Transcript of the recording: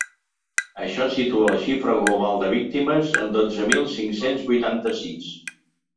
Això situa la xifra global de víctimes en dotze mil cinc-cents vuitanta-sis.